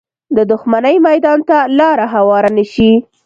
د دښمنۍ میدان ته لاره هواره نه شي